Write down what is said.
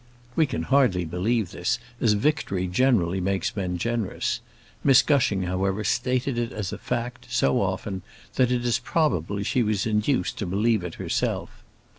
We can hardly believe this, as victory generally makes men generous. Miss Gushing, however, stated it as a fact so often that it is probable she was induced to believe it herself.